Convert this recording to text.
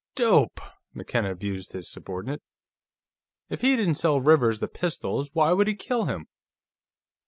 "Dope!" McKenna abused his subordinate. "If he didn't sell Rivers the pistols, why would he kill him?"